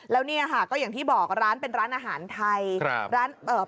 แล้วเนี่ยค่ะก็อย่างที่บอกร้านเป็นร้านอาหารไทย